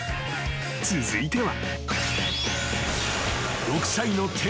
［続いては］